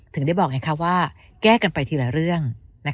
ถึงได้บอกไงคะว่าแก้กันไปทีละเรื่อง